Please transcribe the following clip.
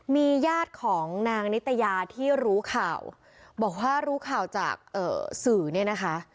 มีญาติของนางนิตยาที่รู้ข่าวบอกว่ารู้ข่าวจากสื่อเนี่ยนะคะ